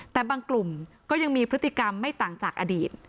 แต่บางกลุ่มก็ยังมีพฤติกรรมไม่ต่างจากอดีต